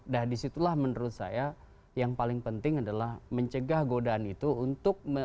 nah disitulah menurut saya yang paling penting adalah mencegah godaan itu untuk